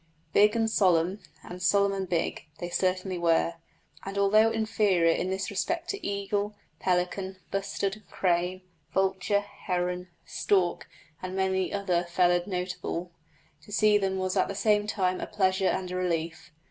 Big and solemn, and solemn and big, they certainly were, and although inferior in this respect to eagle, pelican, bustard, crane, vulture, heron, stork, and many another feathered notable, to see them was at the same time a pleasure and a relief.